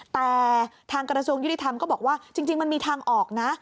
แต่ทางกระทรวงยุติธรรมก็บอกว่าจริงมันมีทางออกนะ